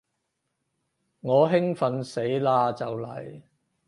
我興奮死嘞就嚟